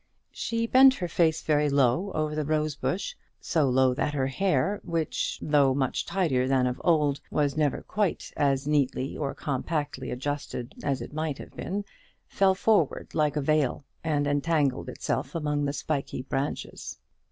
She bent her face very low over the rose bush; so low that her hair, which, though much tidier than of old, was never quite as neatly or compactly adjusted as it might have been, fell forward like a veil, and entangled itself among the spiky branches.